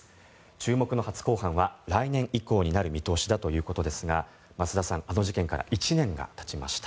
注目の初公判は来年以降になる見通しだということですが増田さん、この事件から１年がたちました。